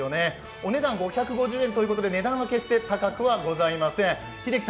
お値段５５０円ということで値段は決して高くはございません。